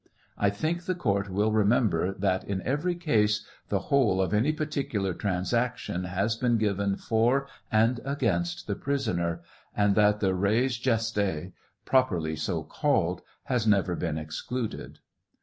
I think the court will remember that in every case the whole of any particular transaction has been given for and against the prisoner, and that the resgestte, properly so called, has never been excluded.